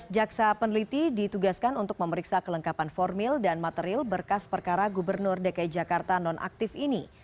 lima belas jaksa peneliti ditugaskan untuk memeriksa kelengkapan formil dan material berkas perkara gubernur dki jakarta nonaktif ini